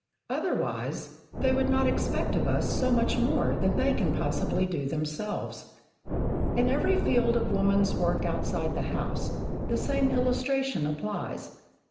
Otherwise, they would not expect of us so much more than they can possibly do themselves. In every field of woman's work outside the house, the same illustration applies.